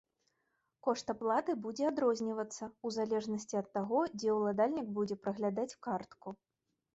Кошт аплаты будзе адрознівацца, у залежнасці ад таго, дзе ўладальнік будзе праглядаць картку.